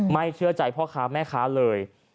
ไม่เชื่อใจพ่อค้าแม่ค้าเลย